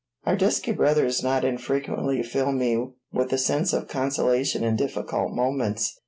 Our dusky brothers not infrequently fill me with a sense of consolation in difficult moments.